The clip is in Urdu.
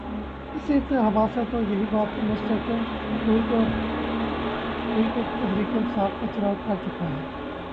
اس انتخاب سے تو یہی بات مستحکم ہوئی کہ وہ تحریک انصاف کا چناؤ کر چکا ہے۔